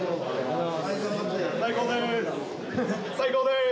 最高です。